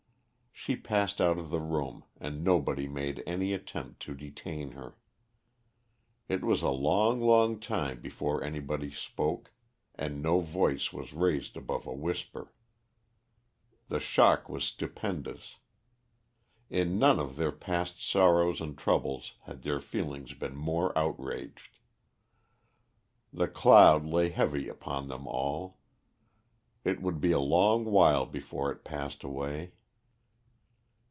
She passed out of the room and nobody made any attempt to detain her. It was a long, long time before anybody spoke and no voice was raised above a whisper. The shock was stupendous. In none of their past sorrows and troubles had their feelings been more outraged. The cloud lay heavy upon them all; it would be a long while before it passed away.